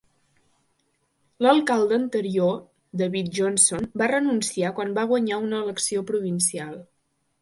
L'alcalde anterior David Johnson va renunciar quan va guanyar una elecció provincial.